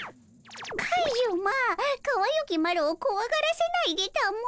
カジュマかわゆきマロをこわがらせないでたも。